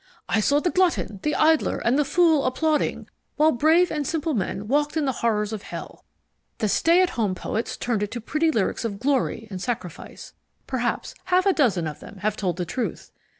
I saw the glutton, the idler, and the fool applauding, while brave and simple men walked in the horrors of hell. The stay at home poets turned it to pretty lyrics of glory and sacrifice. Perhaps half a dozen of them have told the truth.